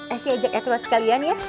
esy ajak edward sekalian ya